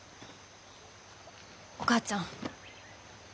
お母ちゃん。